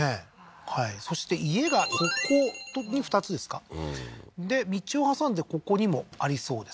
はいそして家がここに２つですかうんで道を挟んでここにもありそうですね